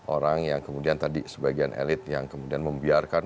orang yang kemudian tadi sebagian elit yang kemudian membiarkan